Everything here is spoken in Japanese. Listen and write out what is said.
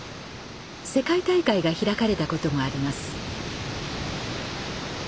世界大会が開かれたこともあります。